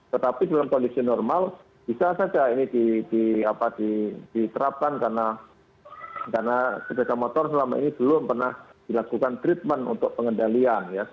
tetapi dalam kondisi normal bisa saja ini diterapkan karena sepeda motor selama ini belum pernah dilakukan treatment untuk pengendalian